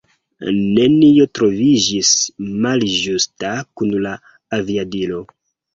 Nenio troviĝis malĝusta kun la aviadilo.